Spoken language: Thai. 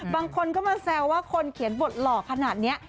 บางคนก็มาแซวว่าคนเขียนบทหล่อขนาดนี้